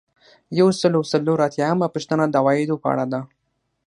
یو سل او څلور اتیایمه پوښتنه د عوایدو په اړه ده.